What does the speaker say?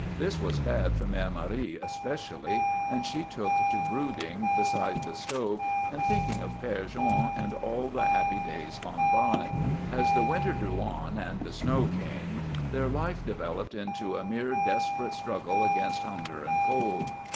This was bad for Mère Marie especially, and she took to brooding beside the stove and thinking of Père Jean and all the happy days gone by. As the winter drew on and the snow came their life developed into a mere desperate struggle against hunger and cold.